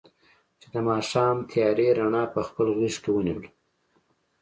چې د ماښام تیارې رڼا په خپل غېږ کې ونیوله.